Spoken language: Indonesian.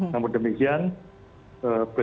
namun demikian presiden memahami